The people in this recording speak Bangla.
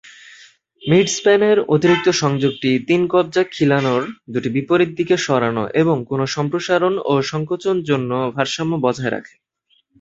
মিড-স্প্যানের অতিরিক্ত সংযোগটি তিন-কবজা খিলানের দুটি বিপরীত দিকে সরানো এবং কোনো সম্প্রসারণ ও সংকোচন জন্য ভারসাম্য বজায় রাখে।